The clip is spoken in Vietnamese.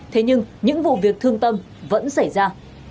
thế nhưng những vụ việc thương tâm vẫn xảy ra